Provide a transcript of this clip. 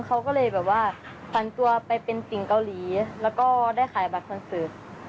เขาก็เลยแบบว่าผันตัวไปเป็นสิ่งเกาหลีแล้วก็ได้ขายบัตรคอนเสิร์ต